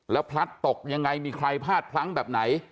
แล้วพลัดตกยังไงมีใครพลาดพลั้งแบบไหน